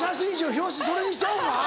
表紙それにしちゃおうか。